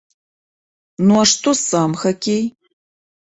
Ну, а што сам хакей?